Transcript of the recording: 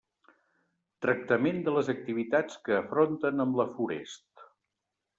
Tractament de les activitats que afronten amb la forest.